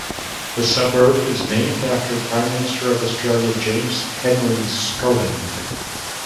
The suburb is named after Prime Minister of Australia James Henry Scullin.